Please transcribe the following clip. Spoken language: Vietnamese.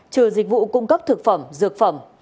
trừ dịch vụ cung cấp thực phẩm dược phẩm